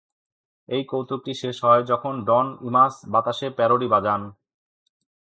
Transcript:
এই কৌতুকটি শেষ হয় যখন ডন ইমাস বাতাসে প্যারোডি বাজান।